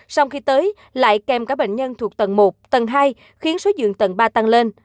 sau khi tới lại kèm cả bệnh nhân thuộc tầng một tầng hai khiến số giường tầng ba tăng lên